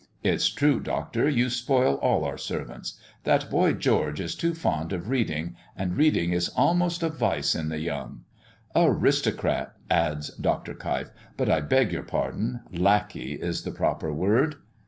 It's true, Doctor, you spoil all our servants. That boy George is too fond of reading, and reading is almost a vice in a young " "Aristocrat," adds Dr. Keif. "But I beg your pardon: lackey is the proper word."